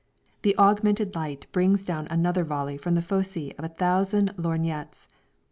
The augmented light brings down another volley from the foci of a thousand lorgnettes.